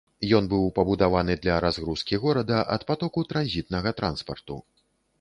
Ён быў пабудаваны для разгрузкі горада ад патоку транзітнага транспарту.